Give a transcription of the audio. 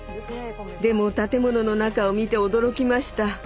でも建物の中を見て驚きました。